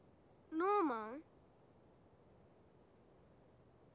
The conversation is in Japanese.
ノーマン！